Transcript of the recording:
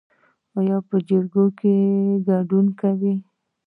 ایا په جرګو کې ګډون کوئ؟